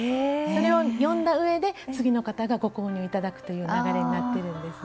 それを読んだうえで次の方がご購入頂くという流れになってるんです。